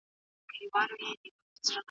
څېړونکي ټول اړین کتابونه لوستي دي.